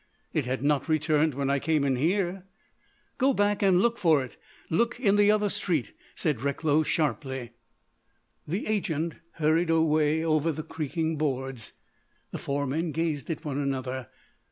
"It had not returned when I came in here." "Go back and look for it. Look in the other street," said Recklow sharply. The agent hurried away over the creaking boards. The four men gazed at one another.